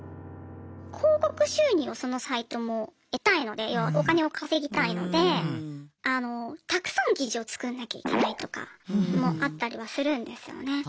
広告収入をそのサイトも得たいので要はお金を稼ぎたいのでたくさん記事を作んなきゃいけないとかもあったりはするんですよね。